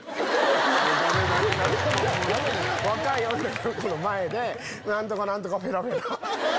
若い女の子の前で「何とか何とかフェラフェラ」。